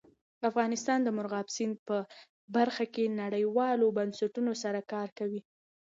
افغانستان د مورغاب سیند په برخه کې نړیوالو بنسټونو سره کار کوي.